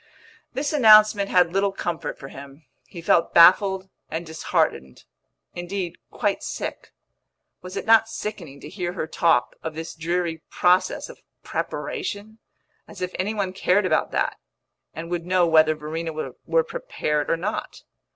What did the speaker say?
This announcement had little comfort for him; he felt baffled and disheartened indeed, quite sick. Was it not sickening to hear her talk of this dreary process of preparation? as if any one cared about that, and would know whether Verena were prepared or not!